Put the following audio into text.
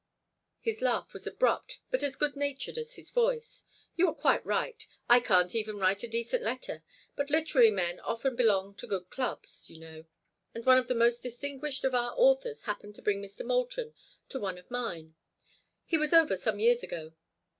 His laugh was abrupt, but as good natured as his voice. "You are quite right. I can't even write a decent letter. But literary men often belong to good clubs, you know, and one of the most distinguished of our authors happened to bring Mr. Moulton to one of mine. He was over some years ago."